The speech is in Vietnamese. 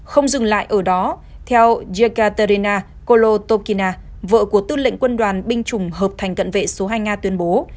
không dừng lại ở đó theo yekaterina kolotokina vợ của tư lệnh quân đoàn binh chủng hợp thành cận vệ số hai nga tuyên bố